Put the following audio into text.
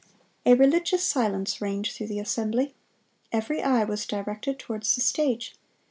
A religious silence reigned through the assembly. Every eye was directed towards the stage.